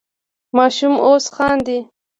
ماشوم اوس خاندي.